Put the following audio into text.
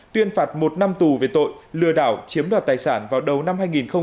tuyên phạt một năm tù về tội lừa đảo chiếm đoạt tài sản vào đầu năm hai nghìn một mươi chín